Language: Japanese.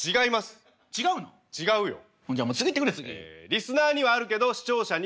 リスナーにはあるけど視聴者にはない。